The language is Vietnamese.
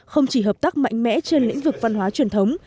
không chỉ hợp tác mạnh mẽ trên lĩnh vực văn hóa truyền thống